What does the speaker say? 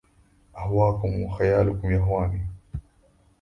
أهواكم وخيالكم يهواني